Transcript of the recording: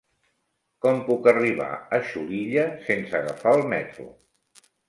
Com puc arribar a Xulilla sense agafar el metro?